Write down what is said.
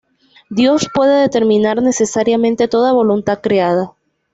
Dios puede determinar necesariamente toda voluntad creada.